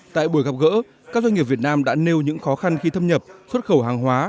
tại buổi gặp gỡ các doanh nghiệp việt nam đã nêu những khó khăn khi thâm nhập xuất khẩu hàng hóa